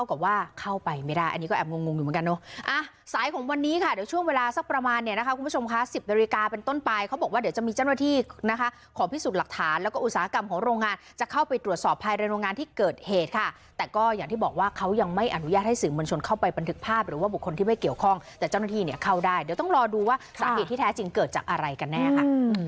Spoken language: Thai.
ก็บอกว่าเขายังไม่อนุญาตให้สื่อเมืองชนเข้าไปบันทึกภาพหรือว่าบุคคลที่ไม่เกี่ยวข้องแต่เจ้าหน้าที่เข้าได้เดี๋ยวต้องรอดูว่าสาเหตุที่แท้จริงเกิดจากอะไรกันแน่ค่ะ